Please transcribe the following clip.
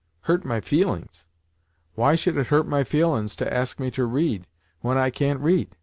"Hurt my feelin's? Why should it hurt my feelin's to ask me to read, when I can't read.